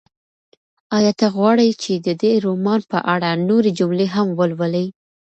ایا ته غواړې چې د دې رومان په اړه نورې جملې هم ولولې؟